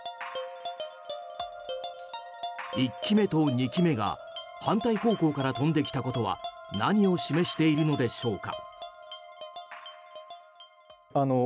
１機目と２機目が反対方向から飛んできたことは何を示しているのでしょうか。